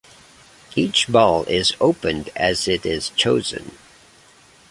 Each ball is opened as it is chosen.